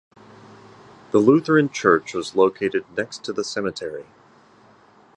The Lutheran church was located next to the cemetery.